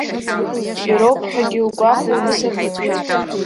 Ироуп ҳәагьы угәахәуоу насыԥ?